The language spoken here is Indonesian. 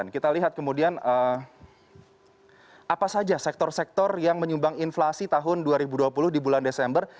kita lihat kemudian apa saja sektor sektor yang menyumbang inflasi tahun dua ribu dua puluh di bulan desember